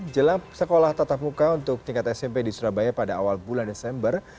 jelang sekolah tatap muka untuk tingkat smp di surabaya pada awal bulan desember